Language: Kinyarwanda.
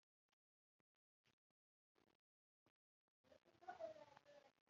nimwitwara nabi murarimbuka, none murarimbutse